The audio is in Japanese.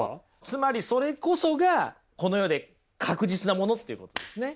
つまりそれこそがこの世で確実なものっていうことですね。